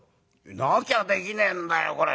なきゃできねえんだよこれ。